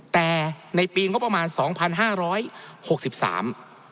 แต่ในปีงบประมาณสองพันห้าร้อยหกสิบสาม